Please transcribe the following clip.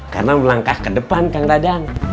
karena melangkah ke depan kang dadang